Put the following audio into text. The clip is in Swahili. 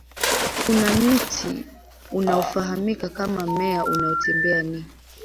kuna mti unaofahamika kama mmea unaotembea ni